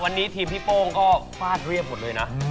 วันนี้ทีมพี่โป้งก็ฟาดเรียบหมดเลยนะ